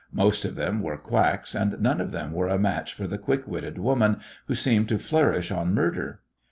Most of them were quacks, and none of them were a match for the quick witted woman, who seemed to flourish on murder.